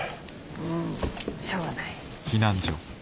うんしょうがない。